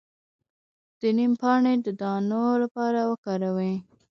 د نیم پاڼې د دانو لپاره وکاروئ